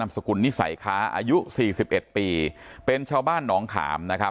นามสกุลนิสัยค้าอายุ๔๑ปีเป็นเช้าบ้านน้องขาม